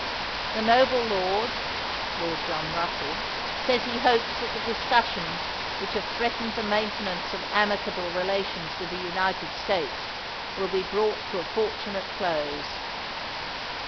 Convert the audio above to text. The noble lord [Lord John Russell] says he hopes that the dis cussions which have threatened the maintenance of amicable relations with the United States will be brought to a fortunate close.